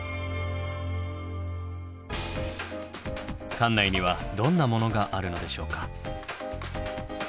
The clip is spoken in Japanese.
館内にはどんなものがあるのでしょうか？